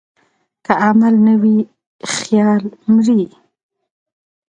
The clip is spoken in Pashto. که عمل نه وي، خیال مري.